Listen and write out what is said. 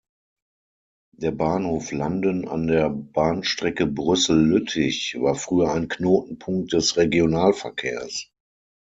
Der Bahnhof Landen an der Bahnstrecke Brüssel–Lüttich war früher ein Knotenpunkt des Regionalverkehrs.